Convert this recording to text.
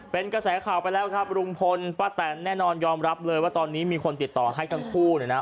เป็นกระแสข่าวไปแล้วครับลุงพลป้าแตนแน่นอนยอมรับเลยว่าตอนนี้มีคนติดต่อให้ทั้งคู่เนี่ยนะ